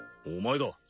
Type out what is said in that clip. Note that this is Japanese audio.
お前だ。